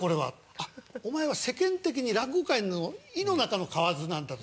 あっお前は世間的に落語界の井の中の蛙なんだと。